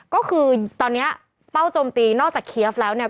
ก็คือตอนนี้เป้าโจมตีนอกจากเคียฟแล้วเนี่ย